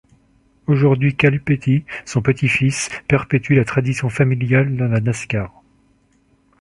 Aujourd'hui Kyle Petty, son petit-fils, perpétue la tradition familiale dans la Nascar.